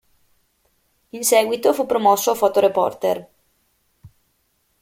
In seguito fu promosso a fotoreporter.